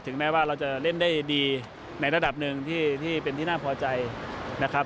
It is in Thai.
แม้ว่าเราจะเล่นได้ดีในระดับหนึ่งที่เป็นที่น่าพอใจนะครับ